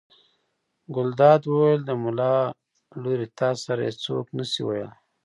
ګلداد وویل: د ملا لورې تا سره یې څوک نه شي ویلی.